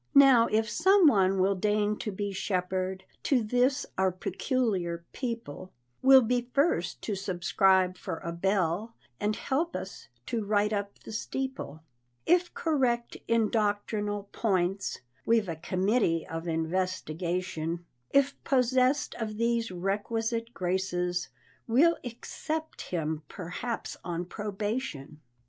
Now if some one will deign to be shepherd To this "our peculiar people," Will be first to subscribe for a bell, And help us to right up the steeple, If correct in doctrinal points (We've a committee of investigation), If possessed of these requisite graces, We'll accept him perhaps on probation.